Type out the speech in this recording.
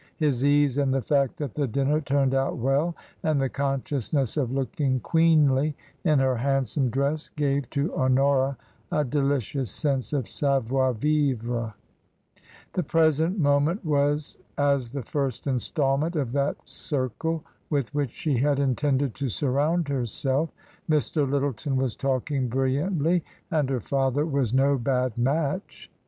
His ease and the fact that the dinner turned out well, and the consciousness of looking queenly in her handsome dress, gave to Honora a delicious sense of savoir vivre ; the present moment was as the first installment of that " circle" with which she had intended to surround her self; Mr. Lyttleton was talking brilliantly, and her father was no bad match.